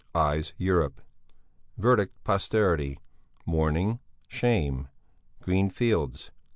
Eyes Europe. Verdict posterity. Mourning. Shame. Green fields.